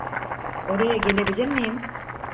Oraya gelebilir miyim?